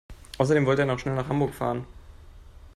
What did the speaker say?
Außerdem wollte er noch schnell nach Hamburg fahren